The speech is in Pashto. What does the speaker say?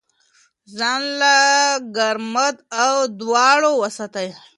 ځان له ګرد او دوړو وساتئ.